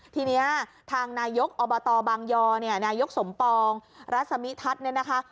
ทีนี้ทางนายกอบตบางยอเนี่ยนายกสมปองรัศมิทัศน์เนี่ยนะคะ